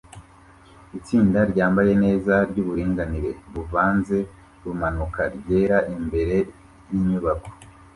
Itsinda ryambaye neza ryuburinganire buvanze rumanuka ryera imbere yinyubako